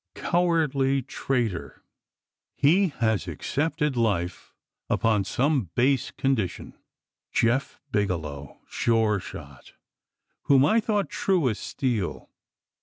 "Cowardly traitor! he has accepted life upon some base condition. Jeph Bigelow! Sure shot! whom I thought true as steel!